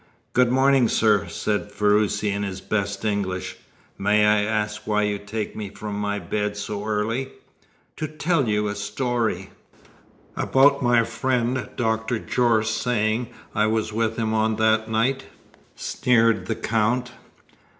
"Good morning, sir," said Ferruci in his best English. "May I ask why you take me from my bed so early?" "To tell you a story." "About my friend Dr. Jorce saying I was with him on that night?" sneered the Count.